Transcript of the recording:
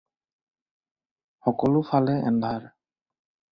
সকলো ফালে এন্ধাৰ